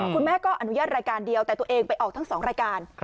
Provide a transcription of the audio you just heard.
คุณแม่ก็อนุญาตรายการเดียวแต่ตัวเองไปออกทั้ง๒รายการ